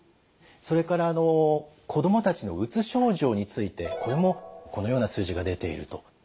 それから子どもたちのうつ症状についてこれもこのような数字が出ていると。